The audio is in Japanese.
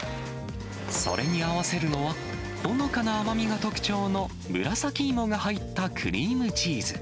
それに合わせるのは、ほのかな甘みが特徴の紫芋が入ったクリームチーズ。